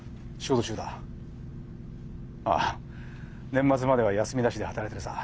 ああ年末までは休みなしで働いてるさ。